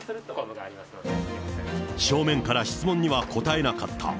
正面から質問には答えなかった。